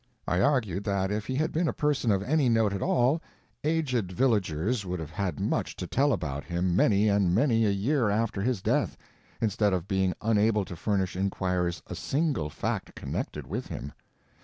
I argued that if he had been a person of any note at all, aged villagers would have had much to tell about him many and many a year after his death, instead of being unable to furnish inquirers a single fact connected with him.